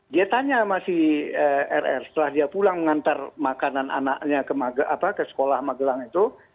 dia tanya sama si rr setelah dia pulang mengantar makanan anaknya ke sekolah magelang itu